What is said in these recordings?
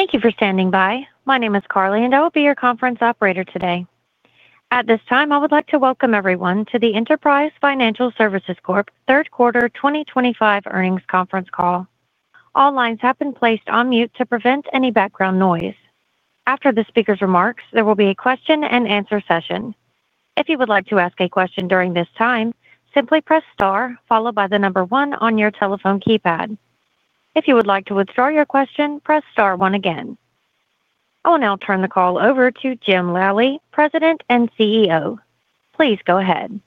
Thank you for standing by. My name is Carly, and I will be your conference operator today. At this time, I would like to welcome everyone to the Enterprise Financial Services Corp third quarter 2025 earnings conference call. All lines have been placed on mute to prevent any background noise. After the speaker's remarks, there will be a question and answer session. If you would like to ask a question during this time, simply press star followed by the number one on your telephone keypad. If you would like to withdraw your question, press star one again. I will now turn the call over to Jim Lally, President and CEO. Please go ahead.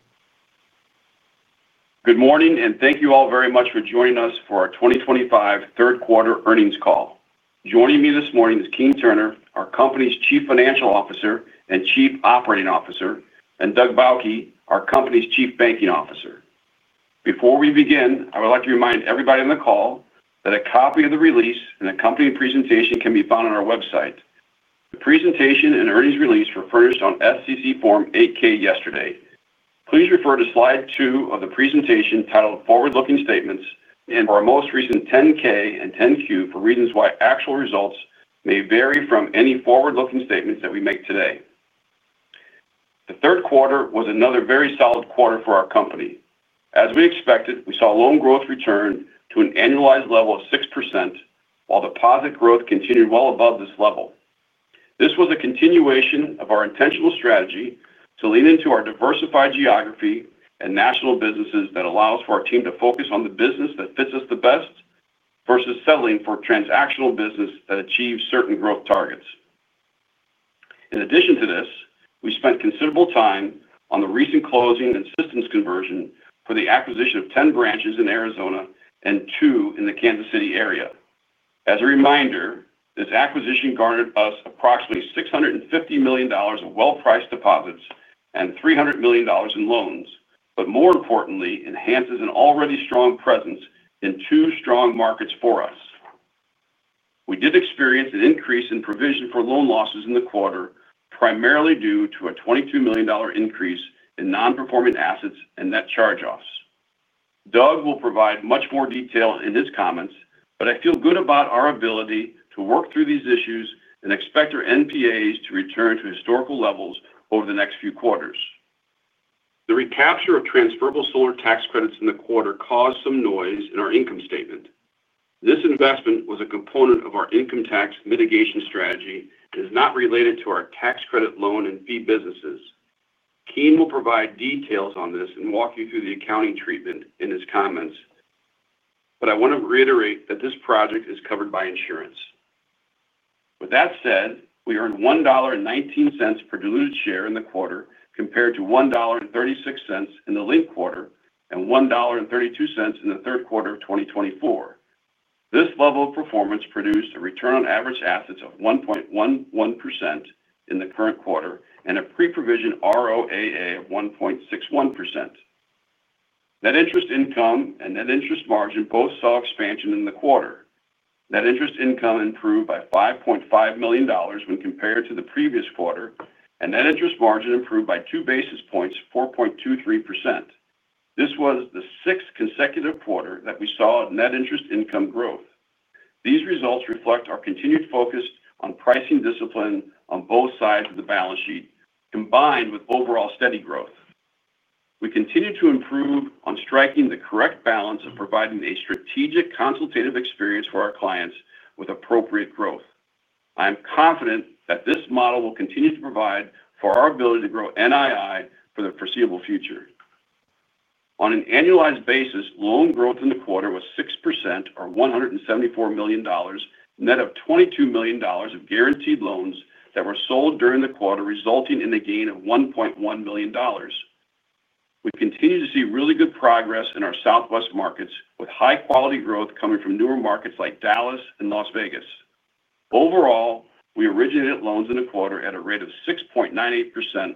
Good morning, and thank you all very much for joining us for our 2025 third quarter earnings call. Joining me this morning is Keene Turner, our company's Chief Financial Officer and Chief Operating Officer, and Douglas Bauche, our company's Chief Banking Officer. Before we begin, I would like to remind everybody on the call that a copy of the release and accompanying presentation can be found on our website. The presentation and earnings release were furnished on SEC Form 8-K yesterday. Please refer to slide two of the presentation titled Forward Looking Statements, and our most recent 10-K and 10-Q for reasons why actual results may vary from any forward looking statements that we make today. The 1/3 quarter was another very solid quarter for our company. As we expected, we saw loan growth return to an annualized level of 6%, while deposit growth continued well above this level. This was a continuation of our intentional strategy to lean into our diversified geography and national businesses that allows for our team to focus on the business that fits us the best versus settling for transactional business that achieves certain growth targets. In addition to this, we spent considerable time on the recent closing and systems conversion for the acquisition of 10 branches in Arizona and two in the Kansas City area. As a reminder, this acquisition garnered us approximately $650 million of well-priced deposits and $300 million in loans, but more importantly, enhances an already strong presence in two strong markets for us. We did experience an increase in provision for loan losses in the quarter, primarily due to a $22 million increase in non-performing assets and net charge-offs. Douglas will provide much more detail in his comments, but I feel good about our ability to work through these issues and expect our NPAs to return to historical levels over the next few quarters. The recapture of transferable solar tax credits in the quarter caused some noise in our income statement. This investment was a component of our income tax mitigation strategy and is not related to our tax credit loan and fee businesses. Keene will provide details on this and walk you through the accounting treatment in his comments, but I want to reiterate that this project is covered by insurance. With that said, we earned $1.19 per diluted share in the quarter compared to $1.36 in the linked quarter and $1.32 in the 1/3 quarter of 2024. This level of performance produced a return on average assets of 1.11% in the current quarter and a pre-provision ROAA of 1.61%. Net interest income and net interest margin both saw expansion in the quarter. Net interest income improved by $5.5 million when compared to the previous quarter, and net interest margin improved by two basis points, 4.23%. This was the sixth consecutive quarter that we saw net interest income growth. These results reflect our continued focus on pricing discipline on both sides of the balance sheet, combined with overall steady growth. We continue to improve on striking the correct balance of providing a strategic consultative experience for our clients with appropriate growth. I am confident that this model will continue to provide for our ability to grow NII for the foreseeable future. On an annualized basis, loan growth in the quarter was 6% or $174 million, net of $22 million of guaranteed loans that were sold during the quarter, resulting in a gain of $1.1 million. We continue to see really good progress in our Southwest markets with high-quality growth coming from newer markets like Dallas and Las Vegas. Overall, we originated loans in the quarter at a rate of 6.98%,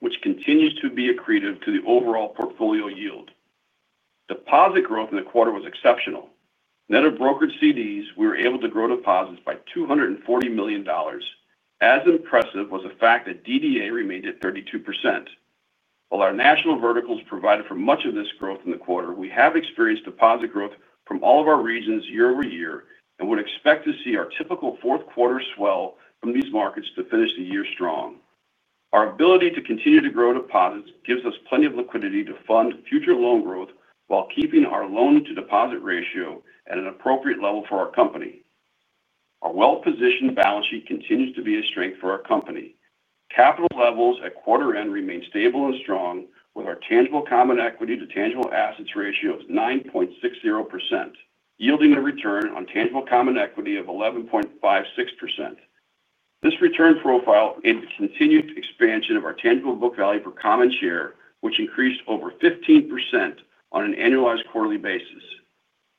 which continues to be accretive to the overall portfolio yield. Deposit growth in the quarter was exceptional. Net of brokered CDs, we were able to grow deposits by $240 million. As impressive was the fact that DDA remained at 32%. While our national verticals provided for much of this growth in the quarter, we have experienced deposit growth from all of our regions year over year and would expect to see our typical fourth quarter swell from these markets to finish the year strong. Our ability to continue to grow deposits gives us plenty of liquidity to fund future loan growth while keeping our loan-to-deposit ratio at an appropriate level for our company. Our well-positioned balance sheet continues to be a strength for our company. Capital levels at quarter end remain stable and strong, with our tangible common equity to tangible assets ratio of 9.60% yielding a return on tangible common equity of 11.56%. This return profile aids the continued expansion of our tangible book value per common share, which increased over 15% on an annualized quarterly basis.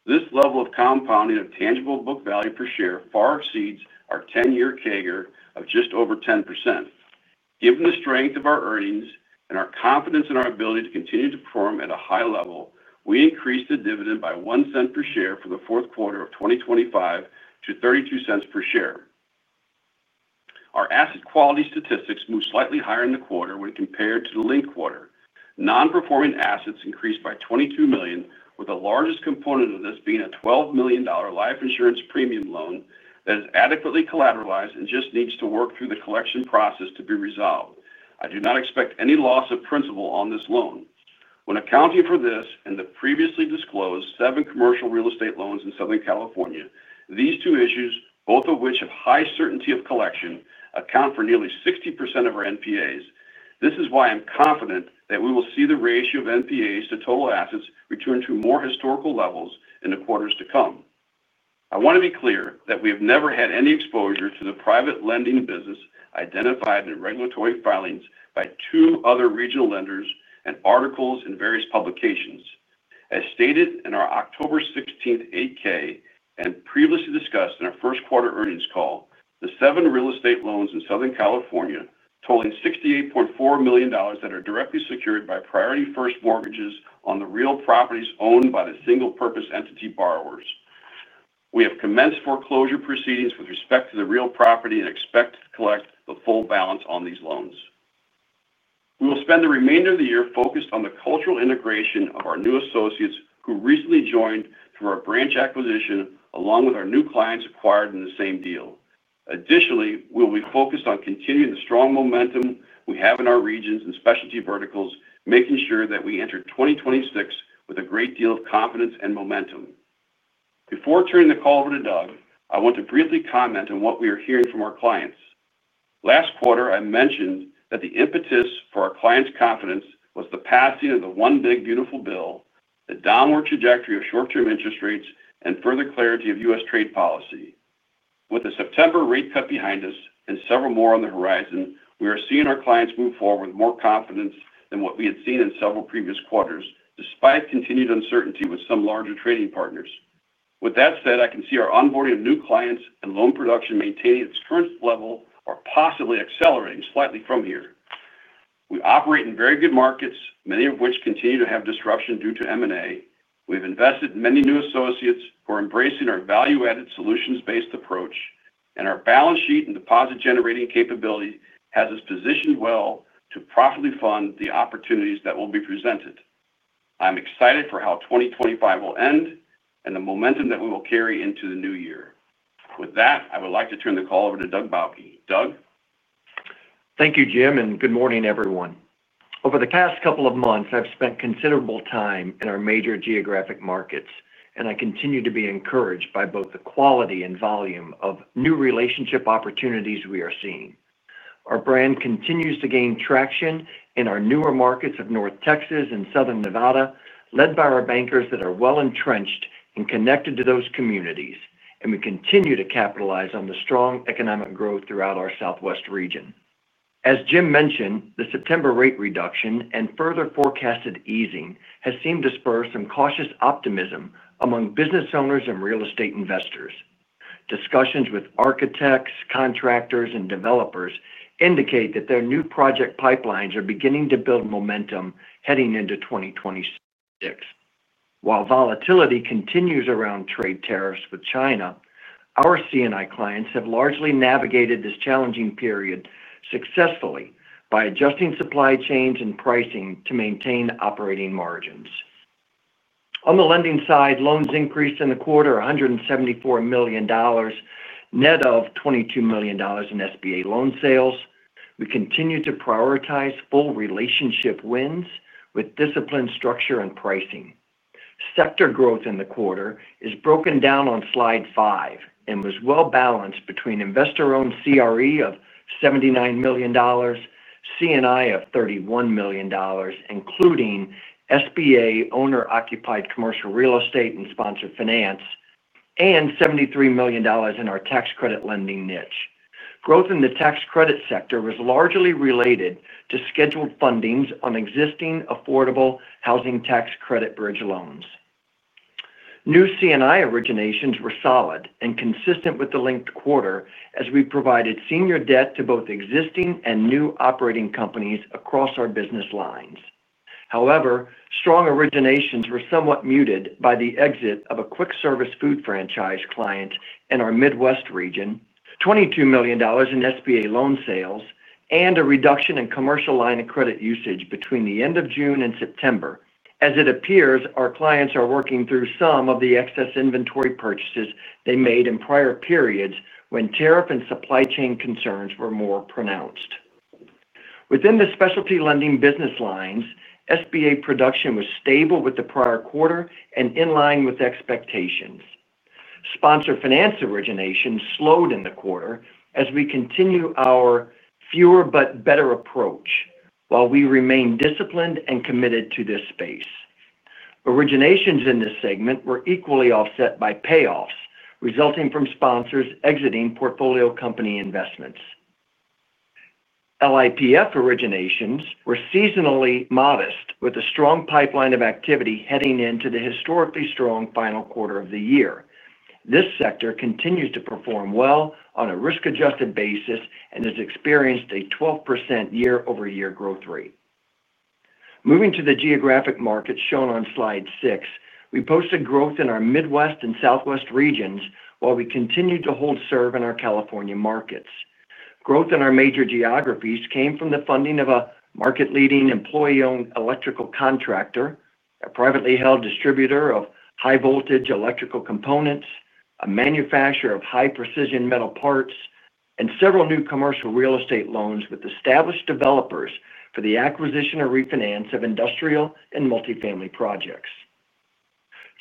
This level of compounding of tangible book value per share far exceeds our 10-year CAGR of just over 10%. Given the strength of our earnings and our confidence in our ability to continue to perform at a high level, we increased the dividend by $0.01 per share for the fourth quarter of 2025 to $0.32 per share. Our asset quality statistics moved slightly higher in the quarter when compared to the linked quarter. Non-performing assets increased by $22 million, with the largest component of this being a $12 million life insurance premium finance loan that is adequately collateralized and just needs to work through the collection process to be resolved. I do not expect any loss of principal on this loan. When accounting for this and the previously disclosed seven commercial real estate loans in Southern California, these two issues, both of which have high certainty of collection, account for nearly 60% of our NPAs. This is why I'm confident that we will see the ratio of NPAs to total assets return to more historical levels in the quarters to come. I want to be clear that we have never had any exposure to the private lending business identified in regulatory filings by two other regional lenders and articles in various publications. As stated in our October 16th 8-K and previously discussed in our first quarter earnings call, the seven real estate loans in Southern California, totaling $68.4 million, are directly secured by Priority First mortgages on the real properties owned by the single-purpose entity borrowers. We have commenced foreclosure proceedings with respect to the real property and expect to collect the full balance on these loans. We will spend the remainder of the year focused on the cultural integration of our new associates who recently joined through our branch acquisition, along with our new clients acquired in the same deal. Additionally, we'll be focused on continuing the strong momentum we have in our regions and specialty deposit verticals, making sure that we enter 2026 with a great deal of confidence and momentum. Before turning the call over to Doug, I want to briefly comment on what we are hearing from our clients. Last quarter, I mentioned that the impetus for our clients' confidence was the passing of the One Big Beautiful Bill, the downward trajectory of short-term interest rates, and further clarity of U.S. trade policy. With the September rate cut behind us and several more on the horizon, we are seeing our clients move forward with more confidence than what we had seen in several previous quarters, despite continued uncertainty with some larger trading partners. With that said, I can see our onboarding of new clients and loan production maintaining its current level or possibly accelerating slightly from here. We operate in very good markets, many of which continue to have disruption due to M&A. We have invested in many new associates who are embracing our value-added solutions-based approach, and our balance sheet and deposit-generating capability has us positioned well to profitably fund the opportunities that will be presented. I'm excited for how 2025 will end and the momentum that we will carry into the new year. With that, I would like to turn the call over to Douglas Bauche. Doug? Thank you, Jim, and good morning, everyone. Over the past couple of months, I've spent considerable time in our major geographic markets, and I continue to be encouraged by both the quality and volume of new relationship opportunities we are seeing. Our brand continues to gain traction in our newer markets of North Texas and Southern Nevada, led by our bankers that are well entrenched and connected to those communities, and we continue to capitalize on the strong economic growth throughout our Southwest region. As Jim mentioned, the September rate reduction and further forecasted easing have seemed to spur some cautious optimism among business owners and real estate investors. Discussions with architects, contractors, and developers indicate that their new project pipelines are beginning to build momentum heading into 2026. While volatility continues around trade tariffs with China, our C&I clients have largely navigated this challenging period successfully by adjusting supply chains and pricing to maintain operating margins. On the lending side, loans increased in the quarter $174 million, net of $22 million in SBA loan sales. We continue to prioritize full relationship wins with disciplined structure and pricing. Sector growth in the quarter is broken down on slide five and is well balanced between investor-owned CRE of $79 million, C&I of $31 million, including SBA owner-occupied commercial real estate and sponsor finance, and $73 million in our tax credit lending niche. Growth in the tax credit sector was largely related to scheduled fundings on existing affordable housing tax credit bridge loans. New C&I originations were solid and consistent with the linked quarter as we provided senior debt to both existing and new operating companies across our business lines. However, strong originations were somewhat muted by the exit of a quick service food franchise client in our Midwest region, $22 million in SBA loan sales, and a reduction in commercial line of credit usage between the end of June and September. It appears our clients are working through some of the excess inventory purchases they made in prior periods when tariff and supply chain concerns were more pronounced. Within the specialty lending business lines, SBA production was stable with the prior quarter and in line with expectations. Sponsor finance originations slowed in the quarter as we continue our fewer but better approach while we remain disciplined and committed to this space. Originations in this segment were equally offset by payoffs resulting from sponsors exiting portfolio company investments. Life insurance premium finance loan originations were seasonally modest with a strong pipeline of activity heading into the historically strong final quarter of the year. This sector continues to perform well on a risk-adjusted basis and has experienced a 12% year-over-year growth rate. Moving to the geographic markets shown on slide six, we posted growth in our Midwest and Southwest regions while we continued to hold serve in our California markets. Growth in our major geographies came from the funding of a market-leading employee-owned electrical contractor, a privately held distributor of high-voltage electrical components, a manufacturer of high-precision metal parts, and several new commercial real estate loans with established developers for the acquisition or refinance of industrial and multifamily projects.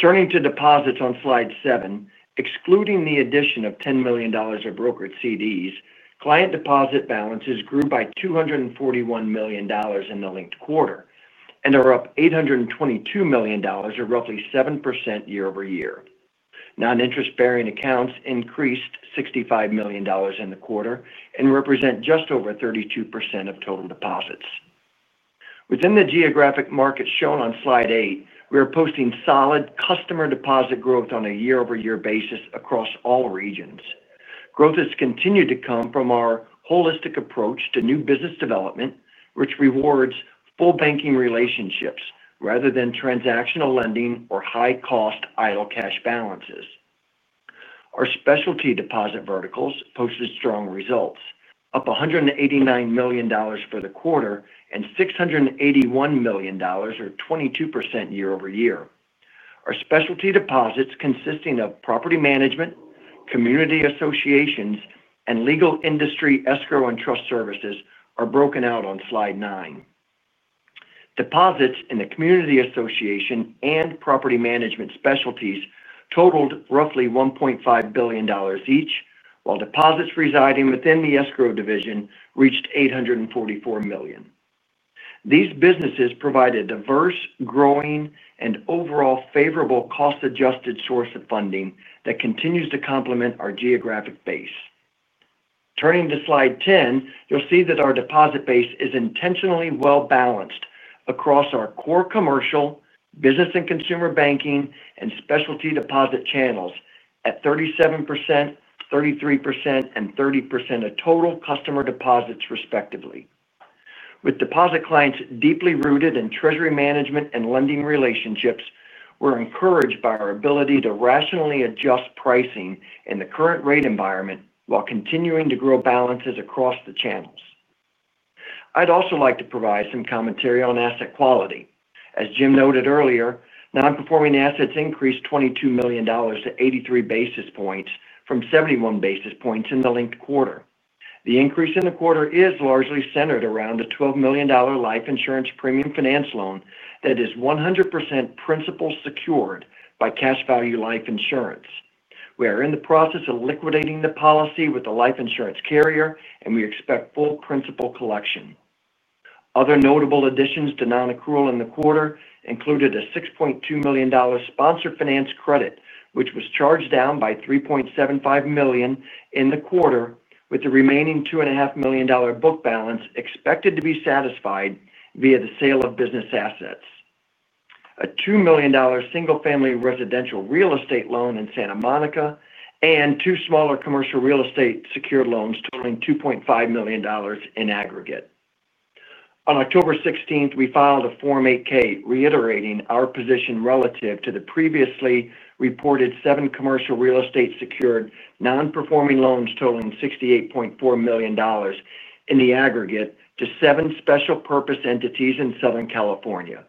Turning to deposits on slide seven, excluding the addition of $10 million of brokered CDs, client deposit balances grew by $241 million in the linked quarter and are up $822 million, a roughly 7% year over year. Non-interest-bearing accounts increased $65 million in the quarter and represent just over 32% of total deposits. Within the geographic markets shown on slide eight, we are posting solid customer deposit growth on a year-over-year basis across all regions. Growth has continued to come from our holistic approach to new business development, which rewards full banking relationships rather than transactional lending or high-cost idle cash balances. Our specialty deposit verticals posted strong results, up $189 million for the quarter and $681 million, or 22% year-over- year. Our specialty deposits consisting of property management, community associations, and legal industry escrow and trust services are broken out on slide nine. Deposits in the community association and property management specialties totaled roughly $1.5 billion each, while deposits residing within the escrow division reached $844 million. These businesses provide a diverse, growing, and overall favorable cost-adjusted source of funding that continues to complement our geographic base. Turning to slide ten, you'll see that our deposit base is intentionally well balanced across our core commercial, business and consumer banking, and specialty deposit channels at 37%, 33%, and 30% of total customer deposits, respectively. With deposit clients deeply rooted in treasury management and lending relationships, we're encouraged by our ability to rationally adjust pricing in the current rate environment while continuing to grow balances across the channels. I'd also like to provide some commentary on asset quality. As Jim noted earlier, non-performing assets increased $22 million to 83 basis points from 71 basis points in the linked quarter. The increase in the quarter is largely centered around the $12 million life insurance premium finance loan that is 100% principal secured by cash value life insurance. We are in the process of liquidating the policy with the life insurance carrier, and we expect full principal collection. Other notable additions to non-accrual in the quarter included a $6.2 million sponsor finance credit, which was charged down by $3.75 million in the quarter, with the remaining $2.5 million book balance expected to be satisfied via the sale of business assets. A $2 million single-family residential real estate loan in Santa Monica and two smaller commercial real estate secured loans totaling $2.5 million in aggregate. On October 16th, we filed a Form 8-K reiterating our position relative to the previously reported seven commercial real estate secured non-performing loans totaling $68.4 million in the aggregate to seven special purpose entities in Southern California.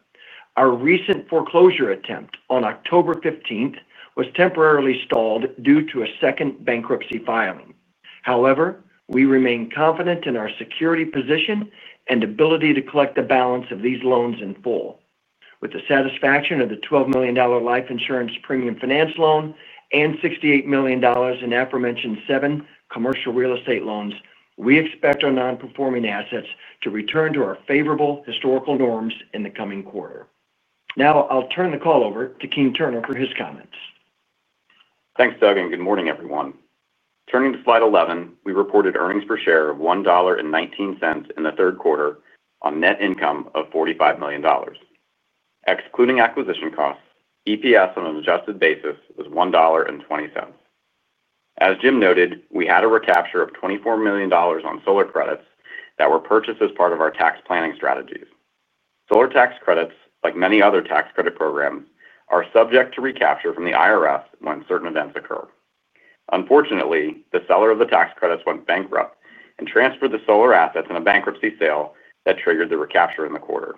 Our recent foreclosure attempt on October 15th was temporarily stalled due to a second bankruptcy filing. However, we remain confident in our security position and ability to collect the balance of these loans in full. With the satisfaction of the $12 million life insurance premium finance loan and $68 million in aforementioned seven commercial real estate loans, we expect our non-performing assets to return to our favorable historical norms in the coming quarter. Now, I'll turn the call over to Keene Turner for his comments. Thanks, Doug, and good morning, everyone. Turning to slide 11, we reported earnings per share of $1.19 in the third quarter on net income of $45 million. Excluding acquisition costs, EPS on an adjusted basis was $1.20. As Jim noted, we had a recapture of $24 million on solar credits that were purchased as part of our tax planning strategies. Solar tax credits, like many other tax credit programs, are subject to recapture from the IRS when certain events occur. Unfortunately, the seller of the tax credits went bankrupt and transferred the solar assets in a bankruptcy sale that triggered the recapture in the quarter.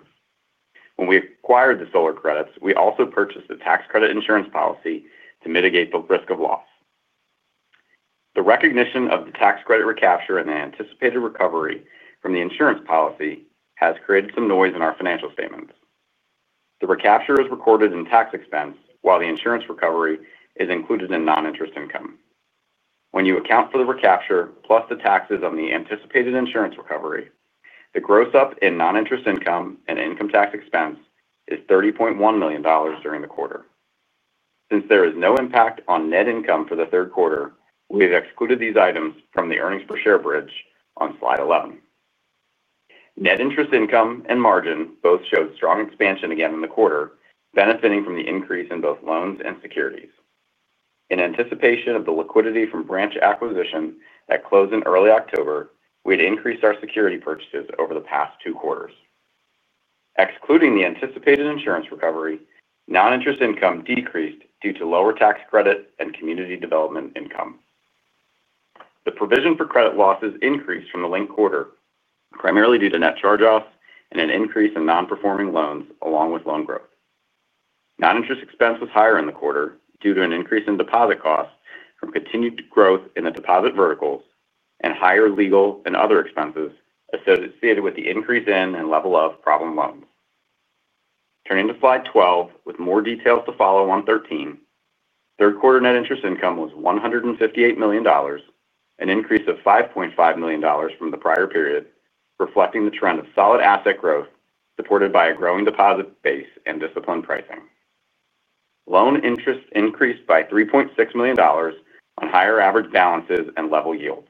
When we acquired the solar credits, we also purchased a tax credit insurance policy to mitigate the risk of loss. The recognition of the tax credit recapture and the anticipated recovery from the insurance policy has created some noise in our financial statements. The recapture is recorded in tax expense, while the insurance recovery is included in non-interest income. When you account for the recapture plus the taxes on the anticipated insurance recovery, the gross up in non-interest income and income tax expense is $30.1 million during the quarter. Since there is no impact on net income for the third quarter, we've excluded these items from the earnings per share bridge on slide 11. Net interest income and margin both showed strong expansion again in the quarter, benefiting from the increase in both loans and securities. In anticipation of the liquidity from branch acquisition that closed in early October, we had increased our security purchases over the past two quarters. Excluding the anticipated insurance recovery, non-interest income decreased due to lower tax credit and community development income. The provision for credit losses increased from the linked quarter, primarily due to net charge-offs and an increase in non-performing loans along with loan growth. Non-interest expense was higher in the quarter due to an increase in deposit costs from continued growth in the deposit verticals and higher legal and other expenses associated with the increase in and level of problem loans. Turning to slide 12 with more details to follow on 13, 1/3 quarter net interest income was $158 million, an increase of $5.5 million from the prior period, reflecting the trend of solid asset growth supported by a growing deposit base and disciplined pricing. Loan interest increased by $3.6 million on higher average balances and level yields.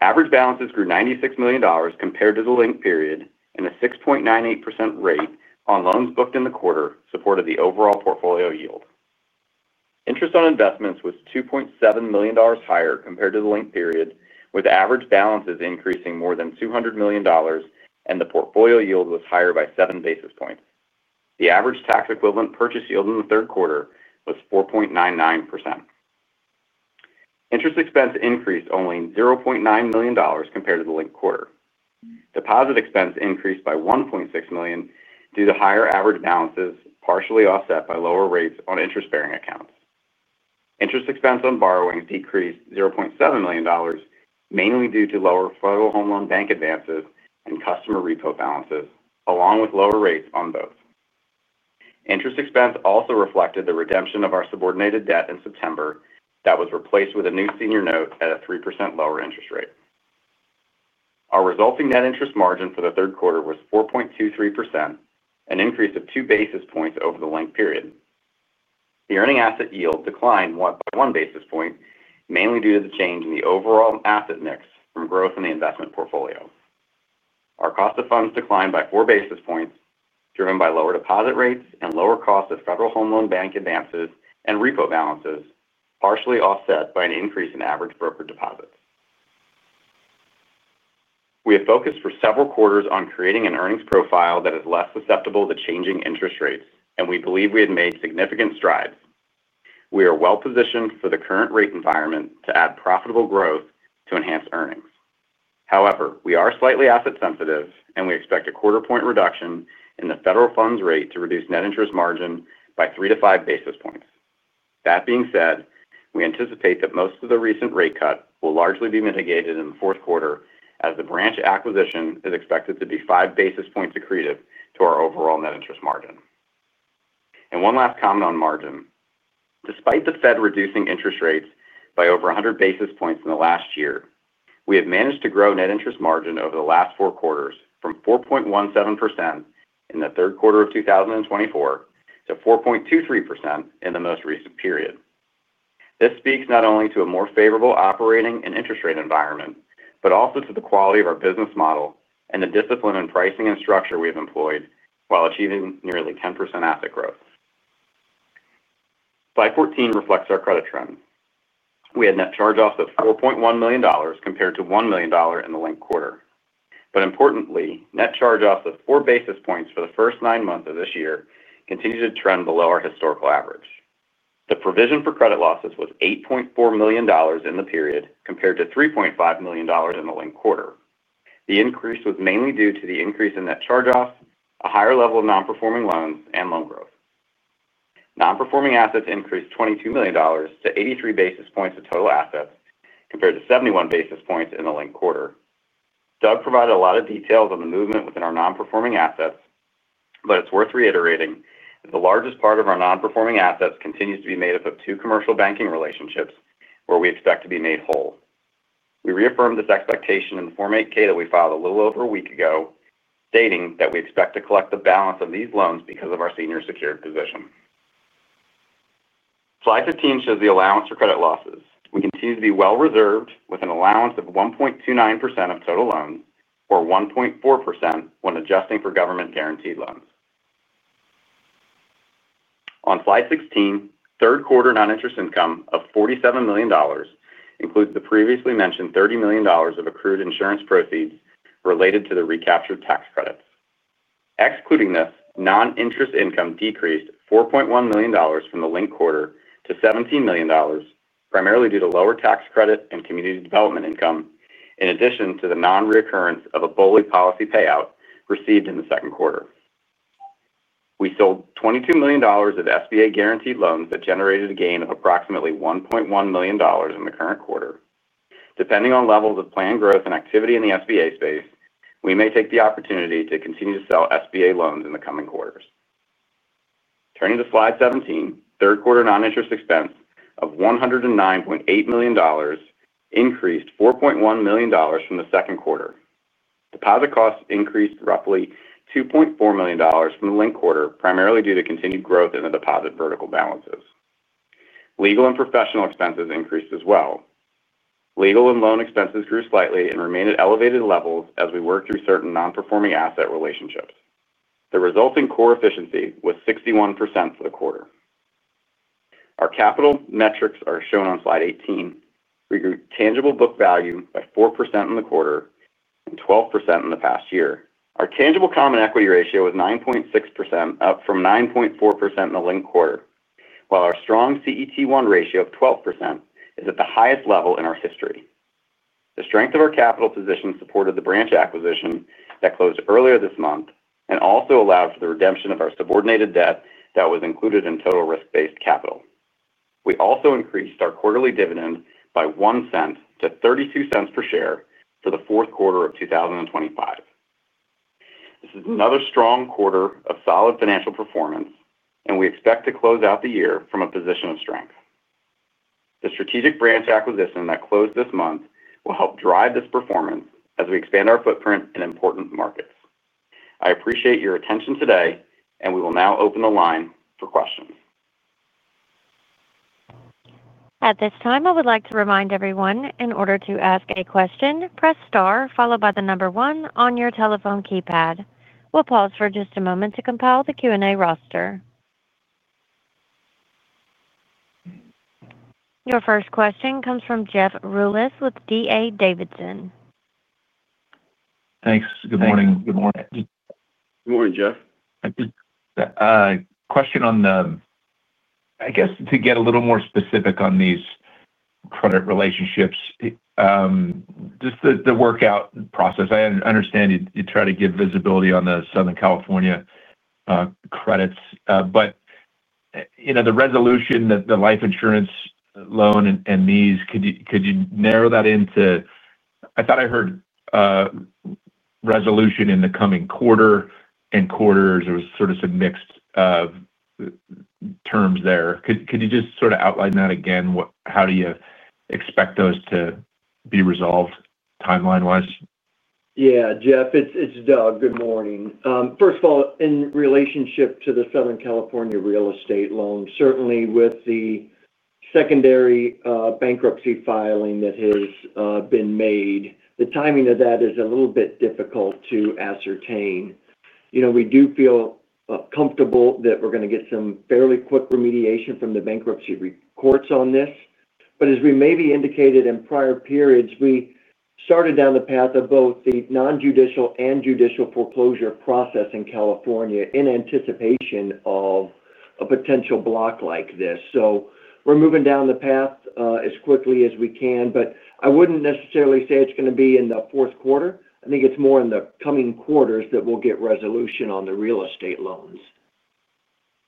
Average balances grew $96 million compared to the linked period, and a 6.98% rate on loans booked in the quarter supported the overall portfolio yield. Interest on investments was $2.7 million higher compared to the linked period, with average balances increasing more than $200 million, and the portfolio yield was higher by seven basis points. The average tax equivalent purchase yield in the third quarter was 4.99%. Interest expense increased only $0.9 million compared to the linked quarter. Deposit expense increased by $1.6 million due to higher average balances, partially offset by lower rates on interest-bearing accounts. Interest expense on borrowings decreased $0.7 million, mainly due to lower Federal Home Loan Bank advances and customer repo balances, along with lower rates on both. Interest expense also reflected the redemption of our subordinated debt in September that was replaced with a new senior note at a 3% lower interest rate. Our resulting net interest margin for the third quarter was 4.23%, an increase of two basis points over the linked period. The earning asset yield declined by one basis point, mainly due to the change in the overall asset mix from growth in the investment portfolio. Our cost of funds declined by four basis points, driven by lower deposit rates and lower cost of Federal Home Loan Bank advances and repo balances, partially offset by an increase in average brokered deposits. We have focused for several quarters on creating an earnings profile that is less susceptible to changing interest rates, and we believe we have made significant strides. We are well positioned for the current rate environment to add profitable growth to enhance earnings. However, we are slightly asset sensitive, and we expect a quarter point reduction in the federal funds rate to reduce net interest margin by three to five basis points. That being said, we anticipate that most of the recent rate cut will largely be mitigated in the fourth quarter as the branch acquisition is expected to be five basis points accretive to our overall net interest margin. One last comment on margin. Despite the Fed reducing interest rates by over 100 basis points in the last year, we have managed to grow net interest margin over the last four quarters from 4.17% in the third quarter of 2024 to 4.23% in the most recent period. This speaks not only to a more favorable operating and interest rate environment, but also to the quality of our business model and the discipline in pricing and structure we have employed while achieving nearly 10% asset growth. Slide 14 reflects our credit trend. We had net charge-offs of $4.1 million compared to $1 million in the linked quarter. Importantly, net charge-offs of 4 basis points for the first nine months of this year continue to trend below our historical average. The provision for credit losses was $8.4 million in the period compared to $3.5 million in the linked quarter. The increase was mainly due to the increase in net charge-offs, a higher level of non-performing loans, and loan growth. Non-performing assets increased $22 million to 83 basis points of total assets compared to 71 basis points in the linked quarter. Douglas Bauche provided a lot of details on the movement within our non-performing assets, but it's worth reiterating that the largest part of our non-performing assets continues to be made up of two commercial banking relationships where we expect to be made whole. We reaffirmed this expectation in the Form 8-K that we filed a little over a week ago, stating that we expect to collect the balance of these loans because of our senior secured position. Slide 15 shows the allowance for credit losses. We continue to be well-reserved with an allowance of 1.29% of total loans or 1.4% when adjusting for government guaranteed loans. On slide 16, 1/3 quarter non-interest income of $47 million includes the previously mentioned $30 million of accrued insurance proceeds related to the recapture of solar tax credits. Excluding this, non-interest income decreased $4.1 million from the linked quarter to $17 million, primarily due to lower tax credit and community development income, in addition to the non-recurrence of a BOLI policy payout received in the second quarter. We sold $22 million of SBA guaranteed loans that generated a gain of approximately $1.1 million in the current quarter. Depending on levels of planned growth and activity in the SBA loan space, we may take the opportunity to continue to sell SBA loans in the coming quarters. Turning to slide 17, third quarter non-interest expense of $109.8 million increased $4.1 million from the second quarter. Deposit costs increased roughly $2.4 million from the linked quarter, primarily due to continued growth in the specialty deposit vertical balances. Legal and professional expenses increased as well. Legal and loan expenses grew slightly and remained at elevated levels as we worked through certain non-performing asset relationships. The resulting core efficiency was 61% a quarter. Our capital metrics are shown on slide 18. We grew tangible book value by 4% in the quarter and 12% in the past year. Our tangible common equity ratio was 9.6%, up from 9.4% in the linked quarter, while our strong CET1 ratio of 12% is at the highest level in our history. The strength of our capital position supported the branch acquisition that closed earlier this month and also allowed for the redemption of our subordinated debt that was included in total risk-based capital. We also increased our quarterly dividend by $0.01 to $0.32 per share for the fourth quarter of 2025. This is another strong quarter of solid financial performance, and we expect to close out the year from a position of strength. The strategic branch acquisition that closed this month will help drive this performance as we expand our footprint in important markets. I appreciate your attention today, and we will now open the line for questions. At this time, I would like to remind everyone, in order to ask a question, press star followed by the number one on your telephone keypad. We'll pause for just a moment to compile the Q&A roster. Your first question comes from Jeff Rulis with DA Davidson. Thanks. Good morning. Good morning, Jeff. Thank you. Question on the, to get a little more specific on these credit relationships, just the workout process. I understand you try to give visibility on the Southern California credits, but the resolution of the life insurance premium finance loan and these, could you narrow that into? I thought I heard resolution in the coming quarter and quarters. There were sort of some mixed terms there. Could you just sort of outline that again? How do you expect those to be resolved timeline-wise? Yeah, Jeff, it's Doug. Good morning. First of all, in relationship to the Southern California real estate loan, certainly with the secondary bankruptcy filing that has been made, the timing of that is a little bit difficult to ascertain. We do feel comfortable that we're going to get some fairly quick remediation from the bankruptcy courts on this. As we may have indicated in prior periods, we started down the path of both the nonjudicial and judicial foreclosure process in California in anticipation of a potential block like this. We're moving down the path as quickly as we can, but I wouldn't necessarily say it's going to be in the fourth quarter. I think it's more in the coming quarters that we'll get resolution on the real estate loans.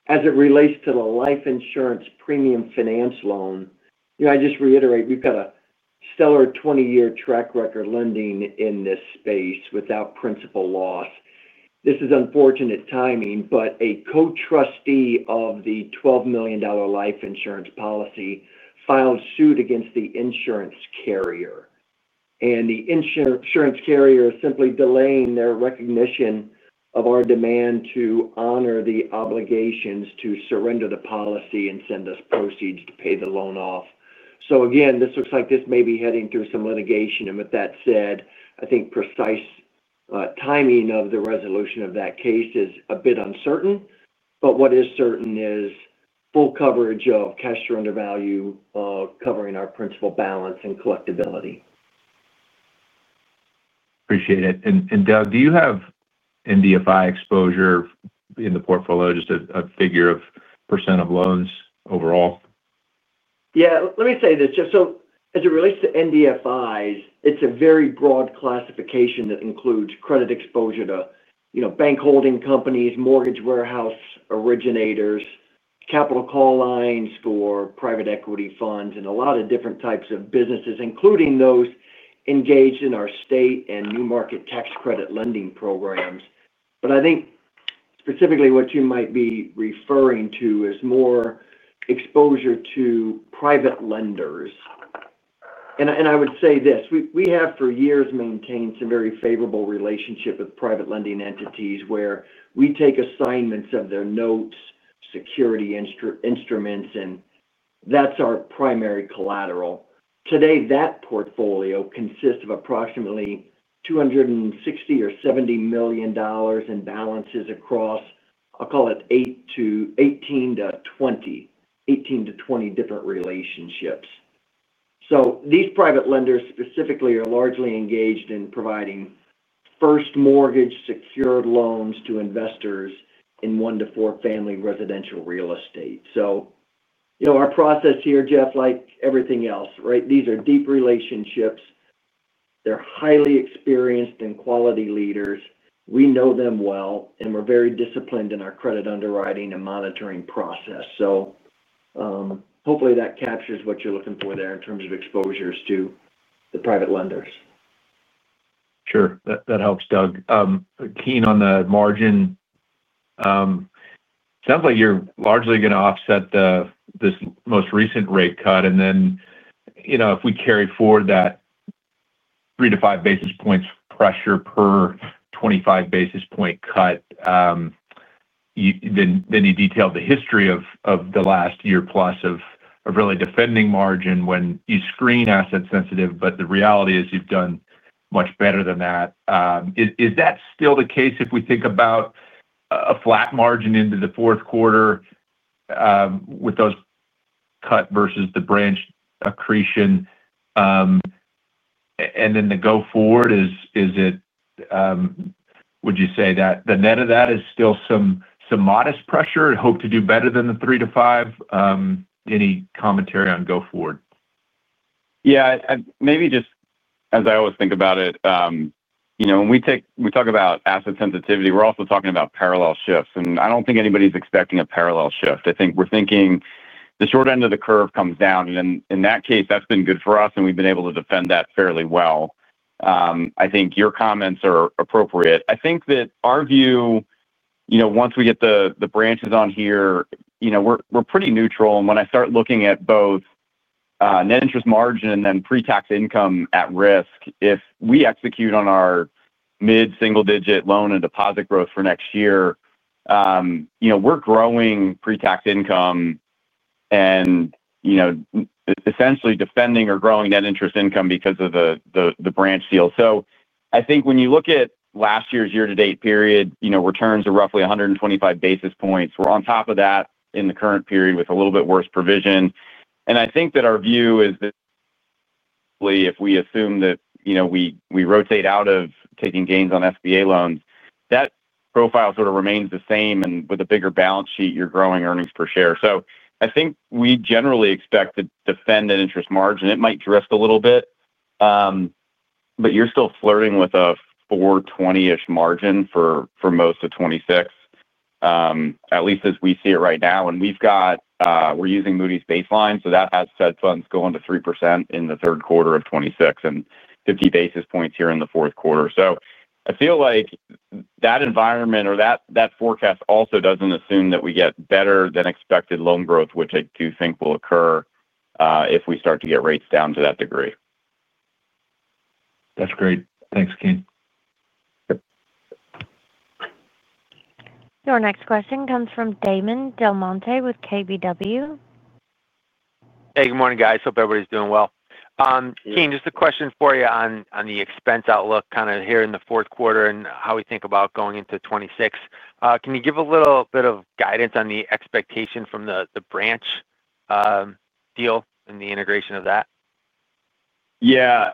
As it relates to the life insurance premium finance loan, I just reiterate we've got a stellar 20-year track record lending in this space without principal loss. This is unfortunate timing, but a co-trustee of the $12 million life insurance policy filed suit against the insurance carrier, and the insurance carrier is simply delaying their recognition of our demand to honor the obligations to surrender the policy and send us proceeds to pay the loan off. This looks like this may be heading through some litigation. With that said, I think precise timing of the resolution of that case is a bit uncertain, but what is certain is full coverage of cash surrender value covering our principal balance and collectibility. Appreciate it. Doug, do you have NDFI exposure in the portfolio, just a figure of percent of loans overall? Yeah, let me say this. As it relates to NDFIs, it's a very broad classification that includes credit exposure to bank holding companies, mortgage warehouse originators, capital call lines for private equity funds, and a lot of different types of businesses, including those engaged in our state and new market tax credit lending programs. I think specifically what you might be referring to is more exposure to private lenders. I would say this, we have for years maintained some very favorable relationships with private lending entities where we take assignments of their notes, security instruments, and that's our primary collateral. Today, that portfolio consists of approximately $260 or $270 million in balances across, I'll call it, 18-20 different relationships. These private lenders specifically are largely engaged in providing first mortgage secured loans to investors in one to four family residential real estate. You know our process here, Jeff, like everything else, right? These are deep relationships. They're highly experienced and quality leaders. We know them well, and we're very disciplined in our credit underwriting and monitoring process. Hopefully that captures what you're looking for there in terms of exposures to the private lenders. Sure, that helps, Doug. Keene, on the margin, it sounds like you're largely going to offset this most recent rate cut. If we carry forward that 3-5 basis points pressure per 25 basis point cut, you detailed the history of the last year plus of really defending margin when you screen asset sensitive, but the reality is you've done much better than that. Is that still the case if we think about a flat margin into the fourth quarter with those cuts versus the branch accretion and the go forward? Would you say that the net of that is still some modest pressure and hope to do better than the 3-5? Any commentary on go forward? Maybe just as I always think about it, when we talk about asset sensitivity, we're also talking about parallel shifts. I don't think anybody's expecting a parallel shift. I think we're thinking the short end of the curve comes down, and in that case, that's been good for us, and we've been able to defend that fairly well. I think your comments are appropriate. I think that our view, once we get the branches on here, we're pretty neutral. When I start looking at both net interest margin and then pre-tax income at risk, if we execute on our mid-single-digit loan and deposit growth for next year, we're growing pre-tax income and essentially defending or growing net interest income because of the branch deal. When you look at last year's year-to-date period, returns are roughly 125 basis points. We're on top of that in the current period with a little bit worse provision. Our view is that if we assume that we rotate out of taking gains on SBA loans, that profile sort of remains the same. With a bigger balance sheet, you're growing earnings per share. We generally expect to defend an interest margin. It might drift a little bit, but you're still flirting with a 4.20% margin for most of 2026, at least as we see it right now. We're using Moody's baseline, so that has Fed funds going to 3% in the third quarter of 2026 and 50 basis points here in the fourth quarter. I feel like that environment or that forecast also doesn't assume that we get better than expected loan growth, which I do think will occur if we start to get rates down to that degree. That's great. Thanks, Keene. Our next question comes from Damon DelMonte with KBW. Hey, good morning, guys. Hope everybody's doing well. Keene, just a question for you on the expense outlook here in the fourth quarter and how we think about going into 2026. Can you give a little bit of guidance on the expectation from the branch deal and the integration of that? Yeah.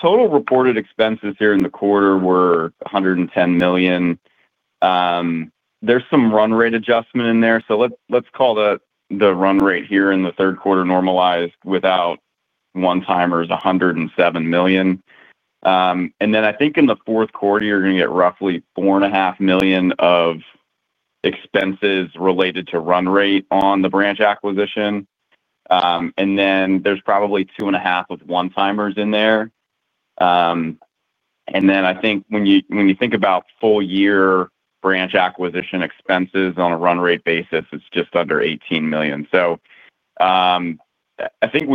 Total reported expenses here in the quarter were $110 million. There's some run rate adjustment in there. Let's call the run rate here in the 1/3 quarter normalized without one-timers $107 million. In the fourth quarter, you're going to get roughly $4.5 million of expenses related to run rate on the branch acquisition. There's probably $2.5 million of one-timers in there. When you think about full-year branch acquisition expenses on a run rate basis, it's just under $18 million. When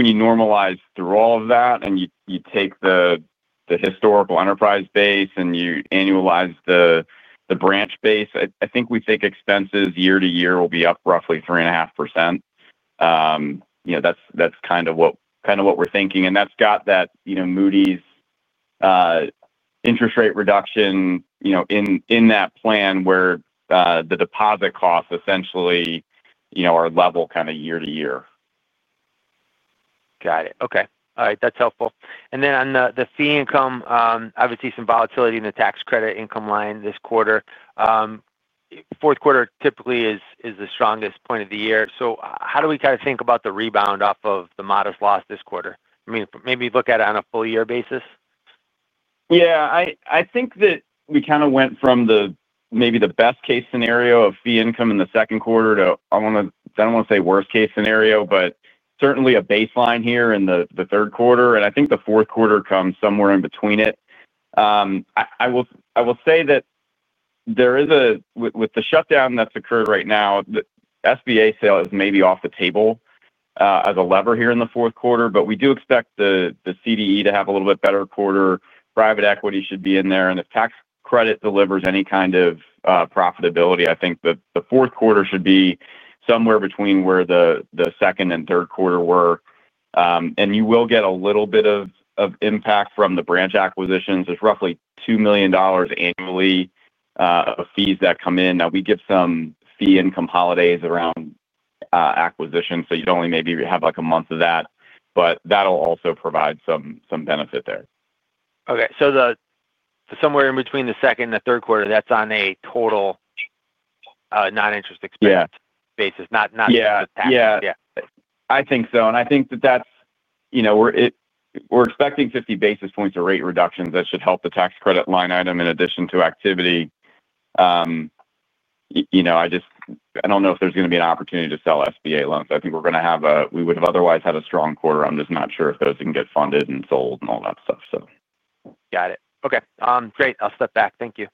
you normalize through all of that and you take the historical Enterprise Financial Services Corp base and you annualize the branch base, we think expenses year-to-year will be up roughly 3.5%. That's kind of what we're thinking. That's got that Moody's interest rate reduction in that plan where the deposit costs essentially are level year-to-year. Got it. Okay. All right. That's helpful. On the fee income, obviously some volatility in the tax credit income line this quarter. Fourth quarter typically is the strongest point of the year. How do we kind of think about the rebound off of the modest loss this quarter? I mean, maybe look at it on a full-year basis? Yeah, I think that we kind of went from maybe the best-case scenario of fee income in the second quarter to, I don't want to say worst-case scenario, but certainly a baseline here in the third quarter. I think the fourth quarter comes somewhere in between it. I will say that there is a, with the shutdown that's occurred right now, the SBA sale is maybe off the table as a lever here in the fourth quarter, but we do expect the CDE to have a little bit better quarter. Private equity should be in there. If tax credit delivers any kind of profitability, I think the fourth quarter should be somewhere between where the second and third quarter were. You will get a little bit of impact from the branch acquisitions. There's roughly $2 million annually of fees that come in. We give some fee income holidays around acquisitions, so you'd only maybe have like a month of that, but that'll also provide some benefit there. Okay, somewhere in between the second and the third quarter, that's on a total non-interest expense basis, not just the tax. I think so. I think that that's, you know, we're expecting 50 basis points of rate reductions. That should help the tax credit line item in addition to activity. I just don't know if there's going to be an opportunity to sell SBA loans. I think we're going to have a, we would have otherwise had a strong quarter. I'm just not sure if those can get funded and sold and all that stuff. Got it. Okay, great. I'll step back. Thank you.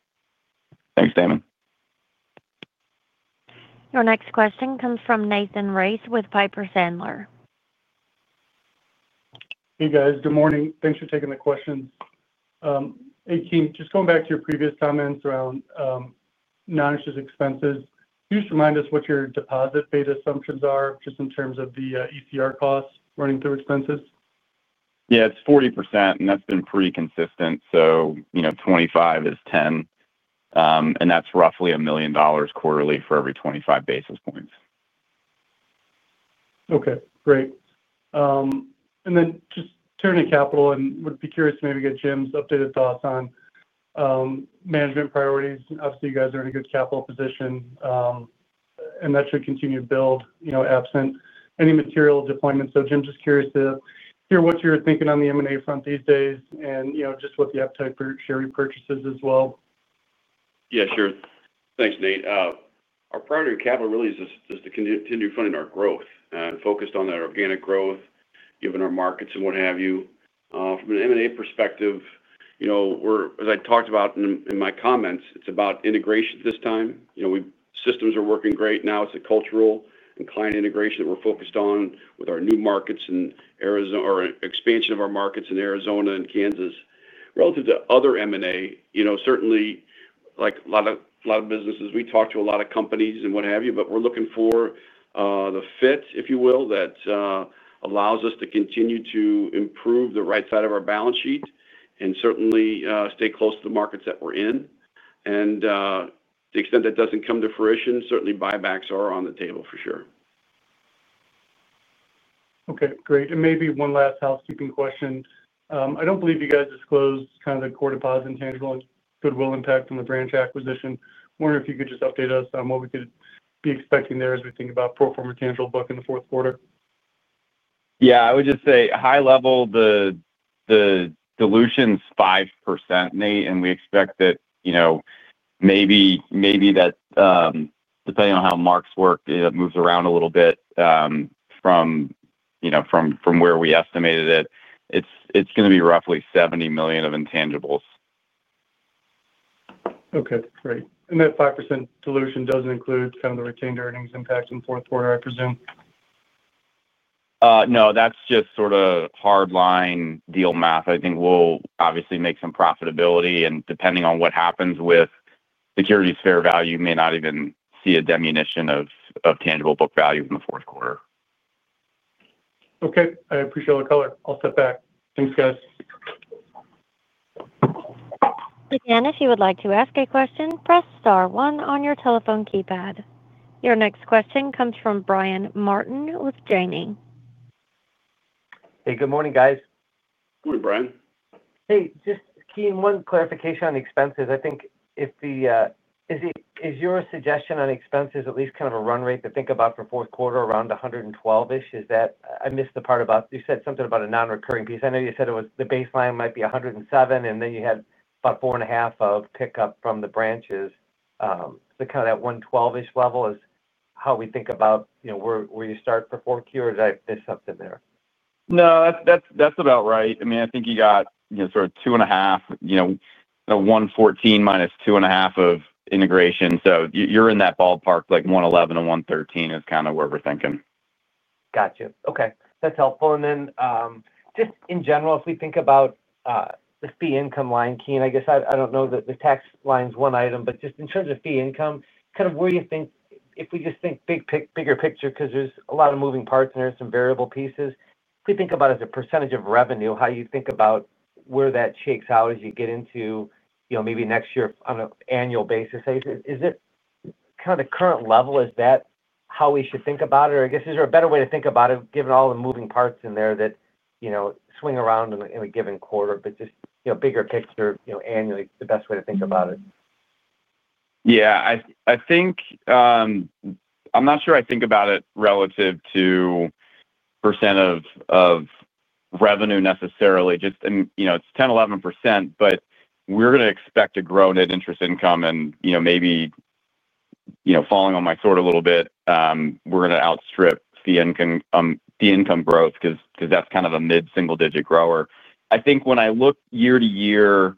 Thanks, Damon. Our next question comes from Nathan Race with Piper Sandler. Hey, guys. Good morning. Thanks for taking the questions. Hey, Keene, just going back to your previous comments around non-interest expenses, can you just remind us what your deposit beta assumptions are just in terms of the ECR costs running through expenses? Yeah, it's 40%, and that's been pretty consistent. You know 25 is 10, and that's roughly $1 million quarterly for every 25 basis points. Okay. Great. Just turning to capital, I would be curious to maybe get Jim's updated thoughts on management priorities. Obviously, you guys are in a good capital position, and that should continue to build, absent any material deployment. Jim, just curious to hear what you're thinking on the M&A front these days and what the appetite for share repurchases is as well. Yeah, sure. Thanks, Nate. Our primary capital really is to continue funding our growth and focused on that organic growth, given our markets and what have you. From an M&A perspective, as I talked about in my comments, it's about integration this time. Systems are working great now. It's a cultural and client integration that we're focused on with our new markets and expansion of our markets in Arizona and Kansas relative to other M&A. Certainly, like a lot of businesses, we talk to a lot of companies and what have you, but we're looking for the fit, if you will, that allows us to continue to improve the right side of our balance sheet and certainly stay close to the markets that we're in. To the extent that doesn't come to fruition, certainly buybacks are on the table for sure. Okay. Great. Maybe one last housekeeping question. I don't believe you guys disclosed kind of the core deposit and tangible and goodwill impact from the branch acquisition. I'm wondering if you could just update us on what we could be expecting there as we think about pro forma tangible book in the fourth quarter. Yeah, I would just say high level, the dilution is 5%, Nate, and we expect that, you know, maybe that, depending on how marks work, it moves around a little bit from where we estimated it, it's going to be roughly $70 million of intangibles. Okay. Great. That 5% dilution doesn't include kind of the retained earnings impact in the fourth quarter, I presume? No, that's just sort of hard-line deal math. I think we'll obviously make some profitability, and depending on what happens with securities fair value, you may not even see a diminution of tangible book value in the fourth quarter. Okay, I appreciate all the color. I'll step back. Thanks, guys. Again, if you would like to ask a question, press star one on your telephone keypad. Your next question comes from Brian Martin with Janney. Hey, good morning, guys. Morning, Brian. Hey, just Keene, one clarification on the expenses. I think if the, is your suggestion on expenses at least kind of a run rate to think about for fourth quarter around $112 million? Is that, I missed the part about, you said something about a non-recurring piece. I know you said it was the baseline might be $107 million, and then you had about $4.5 million of pickup from the branches. So kind of that $112 million level is how we think about, you know, where you start for fourth quarter. Did I miss something there? No, that's about right. I mean, I think you got, you know, sort of $2.5, you know, $114 -$2.5 of integration. So you're in that ballpark, like $111-$113 is kind of where we're thinking. Gotcha. Okay. That's helpful. If we think about the fee income line, Keene, I guess I don't know that the tax line is one item, but just in terms of fee income, kind of where do you think, if we just think bigger picture, because there's a lot of moving parts and there's some variable pieces, if we think about it as a percentage of revenue, how you think about where that shakes out as you get into maybe next year on an annual basis. Is it kind of the current level? Is that how we should think about it? Is there a better way to think about it given all the moving parts in there that swing around in a given quarter? Bigger picture, annually, the best way to think about it. Yeah, I think, I'm not sure I think about it relative to percent of revenue necessarily. It's 10%, 11%, but we're going to expect to grow net interest income. Maybe, you know, falling on my sword a little bit, we're going to outstrip fee income growth because that's kind of a mid-single-digit grower. I think when I look year to year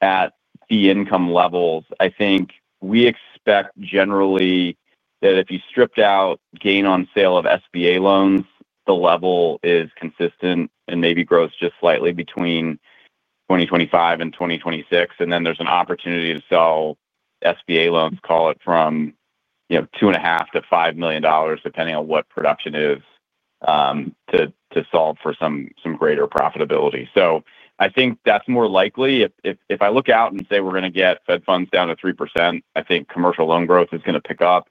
at fee income levels, I think we expect generally that if you stripped out gain on sale of SBA loans, the level is consistent and maybe grows just slightly between 2025 and 2026. There's an opportunity to sell SBA loans, call it from $2.5 million-$5 million, depending on what production is, to solve for some greater profitability. I think that's more likely. If I look out and say we're going to get Fed funds down to 3%, I think commercial loan growth is going to pick up,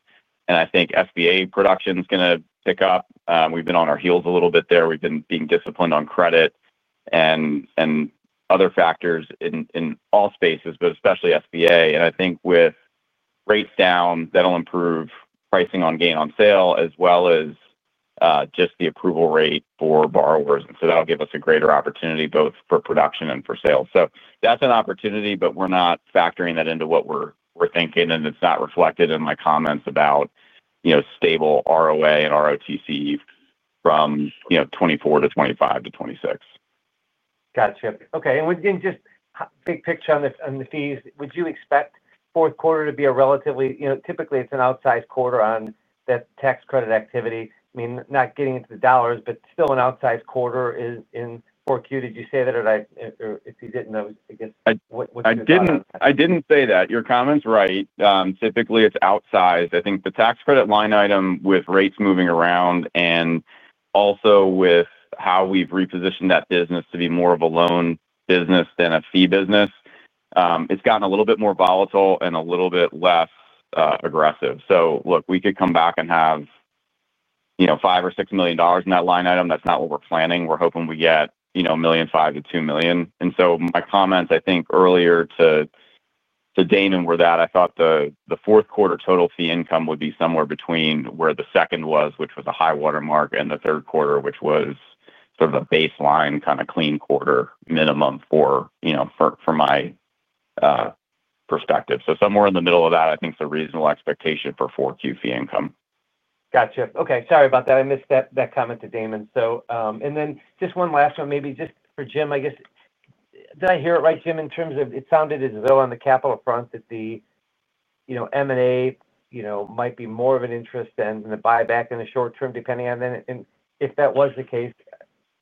and I think SBA production is going to pick up. We've been on our heels a little bit there. We've been being disciplined on credit and other factors in all spaces, but especially SBA. I think with rates down, that'll improve pricing on gain on sale as well as just the approval rate for borrowers. That'll give us a greater opportunity both for production and for sales. That's an opportunity, but we're not factoring that into what we're thinking, and it's not reflected in my comments about stable ROA and ROTC from 2024 to 2025 to 2026. Okay. Just a big picture on the fees, would you expect fourth quarter to be a relatively, you know, typically it's an outsized quarter on that tax credit activity. I mean, not getting into the dollars, but still an outsized quarter is in 4Q. Did you say that or if you didn't, I guess? I didn't say that. Your comment's right. Typically, it's outsized. I think the tax credit line item with rates moving around and also with how we've repositioned that business to be more of a loan business than a fee business, it's gotten a little bit more volatile and a little bit less aggressive. We could come back and have, you know, $5 million or $6 million in that line item. That's not what we're planning. We're hoping we get, you know, $1.5 million-$2 million. My comments, I think, earlier to Damon were that I thought the fourth quarter total fee income would be somewhere between where the second was, which was a high watermark, and the third quarter, which was sort of a baseline kind of clean quarter minimum from my perspective. Somewhere in the middle of that, I think is a reasonable expectation for 4Q fee income. Gotcha. Okay. Sorry about that. I missed that comment to Damon. Just one last one, maybe just for Jim. I guess, did I hear it right, Jim, in terms of it sounded as though on the capital front that the M&A might be more of an interest and the buyback in the short term, depending on then. If that was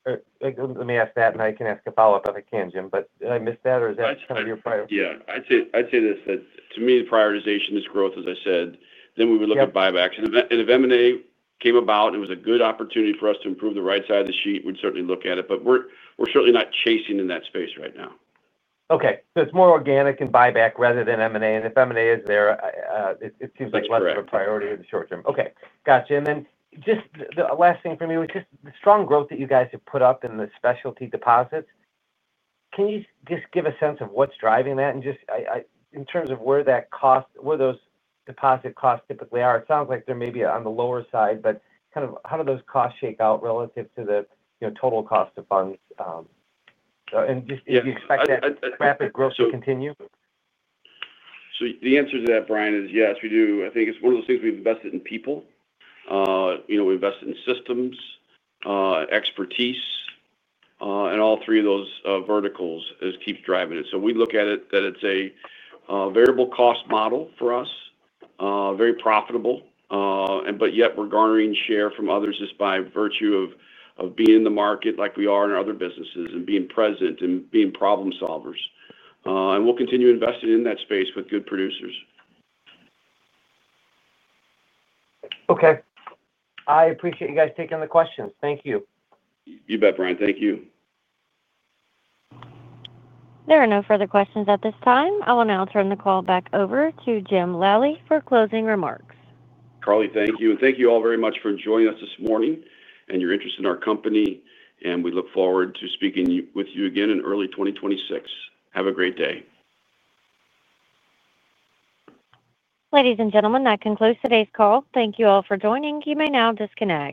the case, or let me ask that, and I can ask a follow-up if I can, Jim, but did I miss that or is that kind of your prior? I'd say this, that to me, the prioritization is growth, as I said, then we would look at buybacks. If M&A came about and it was a good opportunity for us to improve the right side of the sheet, we'd certainly look at it. We're certainly not chasing in that space right now. Okay. It's more organic and buyback rather than M&A. If M&A is there, it seems like less of a priority in the short term. That's correct. Gotcha. The last thing for me was just the strong growth that you guys have put up in the specialty deposits. Can you just give a sense of what's driving that? In terms of where that cost, where those deposit costs typically are, it sounds like they're maybe on the lower side, but kind of how do those costs shake out relative to the total cost of funds? Do you expect that rapid growth to continue? The answer to that, Brian, is yes, we do. I think it's one of those things we've invested in people. We invest in systems, expertise, and all three of those verticals keep driving it. We look at it that it's a variable cost model for us, very profitable, yet we're garnering share from others just by virtue of being in the market like we are in our other businesses and being present and being problem solvers. We'll continue investing in that space with good producers. Okay. I appreciate you guys taking the questions. Thank you. You bet, Brian. Thank you. There are no further questions at this time. I will now turn the call back over to Jim Lally for closing remarks. Charly, thank you. Thank you all very much for joining us this morning and your interest in our company. We look forward to speaking with you again in early 2026. Have a great day. Ladies and gentlemen, that concludes today's call. Thank you all for joining. You may now disconnect.